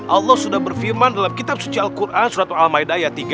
allah sudah berfirman dalam kitab suci al quran surat al maida ayat tiga